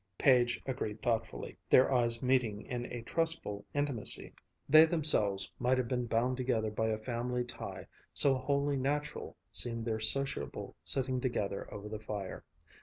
Page agreed thoughtfully, their eyes meeting in a trustful intimacy. They themselves might have been bound together by a family tie, so wholly natural seemed their sociable sitting together over the fire.